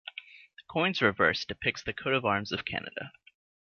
The coin's reverse depicts the coat of arms of Canada.